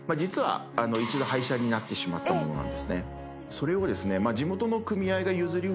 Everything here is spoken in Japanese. それをですね。